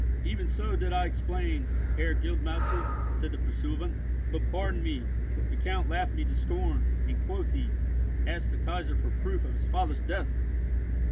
"Even so did I explain, Herr Guildmaster," said the pursuivant; "but, pardon me, the Count laughed me to scorn, and quoth he, 'asked the Kaisar for proof of his father's death!